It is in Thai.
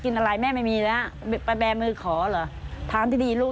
เงียบเลยขอเงินหน่อย